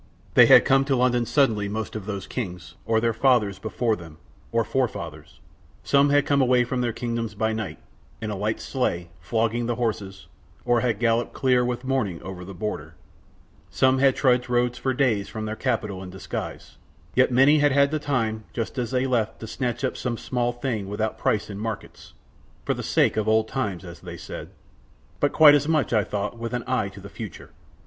They had come to London suddenly most of those kings, or their fathers before them, or forefathers; some had come away from their kingdoms by night, in a light sleigh, flogging the horses, or had galloped clear with morning over the border, some had trudged roads for days from their capital in disguise, yet many had had time just as they left to snatch up some small thing without price in markets, for the sake of old times as they said, but quite as much, I thought, with an eye to the future.